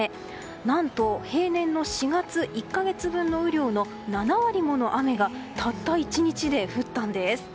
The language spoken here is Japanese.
何と、平年の４月１か月分の雨量の７割もの雨がたった１日で降ったんです。